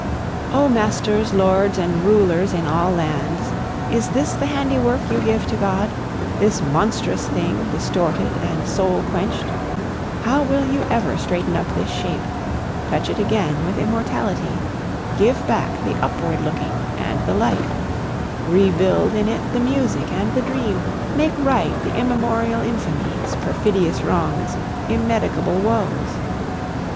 O masters, lords, and rulers in all lands, Is this the handiwork you give to God, This monstrous thing distorted and soul quenched? How will you ever straighten up this shape; Touch it again with immortality; Give back the upward looking and the light; Rebuild in it the music and the dream; Make right the immemorial infamies, Perfidious wrongs, immedicable woes?